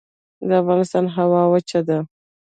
د افغانستان هوا وچه ده